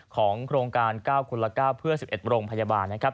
โครงการ๙คนละ๙เพื่อ๑๑โรงพยาบาลนะครับ